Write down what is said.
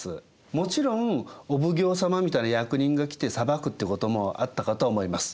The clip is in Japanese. もちろんお奉行様みたいな役人が来て裁くってこともあったかとは思います。